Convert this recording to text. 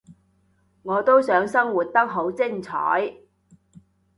我都想生活得好精彩